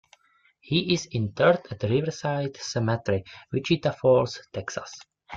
He is interred at Riverside Cemetery, Wichita Falls, Texas.